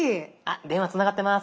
電話つながってます。